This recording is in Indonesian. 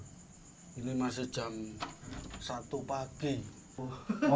ini masih jam satu pagi